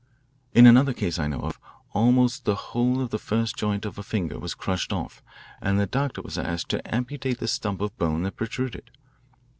"In another case I know of, almost the whole of the first joint of a finger was crushed off, and the doctor was asked to amputate the stump of bone that protruded.